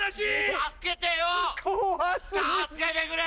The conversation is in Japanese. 助けてくれ！